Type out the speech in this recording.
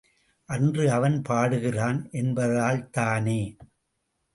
அன்று அவன் பாடுகிறான் என்பதால்தானே.